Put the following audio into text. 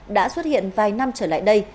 đã xuất hiện vài năm trở lại đây